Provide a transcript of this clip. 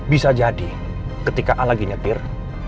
bisa jadi ketika a lagi nyetir